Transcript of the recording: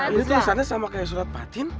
ini tulisannya sama kayak surat fatin